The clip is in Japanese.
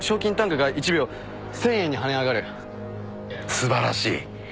素晴らしい。